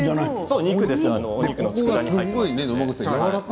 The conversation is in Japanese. お肉です。